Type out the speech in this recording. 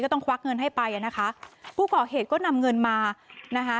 ต้องควักเงินให้ไปอ่ะนะคะผู้ก่อเหตุก็นำเงินมานะคะ